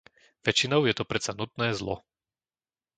Väčšinou je to predsa nutné zlo.